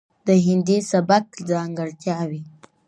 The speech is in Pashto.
،دهندي سبک ځانګړتياوې،